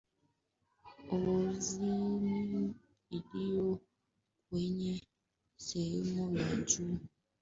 ozoni iliyo kwenye sehemu ya juu zaidi ya anga stratosphere